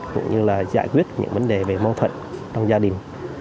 cũng như là giải quyết những vấn đề về mâu thuẫn trong gia đình